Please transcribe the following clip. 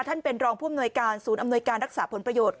ท่านเป็นรองผู้อำนวยการศูนย์อำนวยการรักษาผลประโยชน์